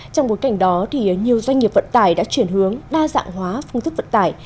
trong bối cảnh đó nhiều doanh nghiệp vận tải đã chuyển hướng đa dạng hóa phương thức vận tải